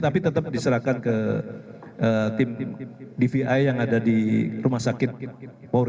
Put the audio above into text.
tapi tetap diserahkan ke tim dvi yang ada di rumah sakit polri